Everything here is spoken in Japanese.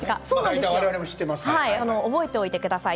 覚えておいてください。